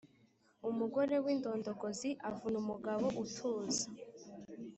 Umugore w’indondogozi avuna umugabo utuza,